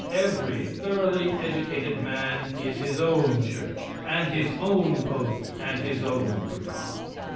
Every thoroughly educated man is his own church, and his own pope, and his own priest.